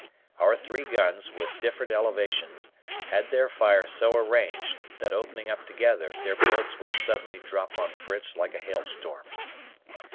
Our three guns, with different elevations, had their fire so arranged, that, opening up together, their bullets would suddenly drop on Fritz like a hailstorm.